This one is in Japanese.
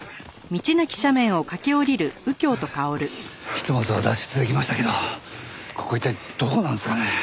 ひとまずは脱出できましたけどここは一体どこなんですかね？